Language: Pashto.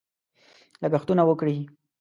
لګښتونه وکړي.